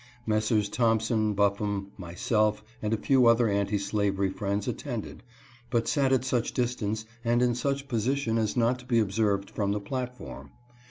Messrs. Thompson, Buffum, my self and a few other anti slavery friends attended, but sat at such distance and in such position as not to be observed from the platform.